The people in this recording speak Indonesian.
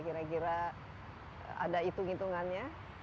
kira kira ada hitung hitungannya